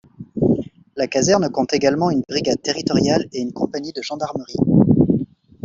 La caserne compte également une brigade territoriale et une compagnie de gendarmerie.